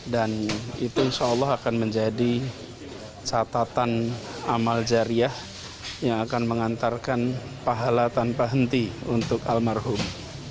dan itu insya allah akan menjadi catatan amal jariah yang akan mengantarkan pahala tanpa henti untuk almarhum